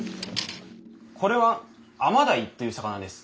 これは甘ダイという魚です。